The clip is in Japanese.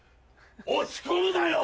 落ち込むなよ！